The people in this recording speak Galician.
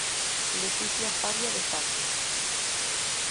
Leticia Faria de Pazos.